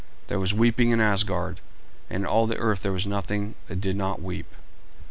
There was weeping in Asgard, and in all the earth there was nothing that did not weep.